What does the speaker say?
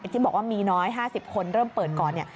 จริงบอกว่ามีน้อย๕๐คนเริ่มเปิดก่อน